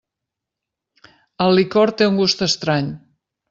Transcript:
El licor té un gust estrany.